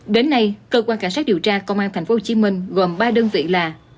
đến nay cơ quan cảnh sát điều tra công an tp hcm gồm ba đơn vị là